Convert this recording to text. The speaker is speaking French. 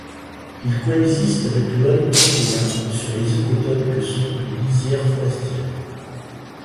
Il coexiste avec le hanneton commun sur les écotones que sont les lisières forestières.